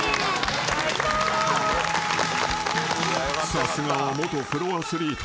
［さすがは元プロアスリート。